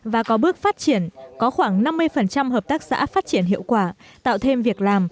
và có bước phát triển có khoảng năm mươi hợp tác xã phát triển hiệu quả tạo thêm việc làm